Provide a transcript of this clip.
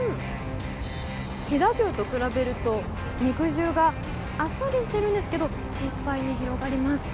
飛騨牛と比べると肉汁があっさりしてるんですけど口いっぱいに広がります。